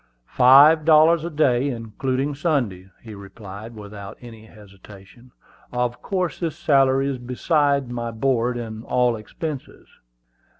"Five dollars a day, including Sundays," he replied, without any hesitation. "Of course this salary is besides my board and all expenses."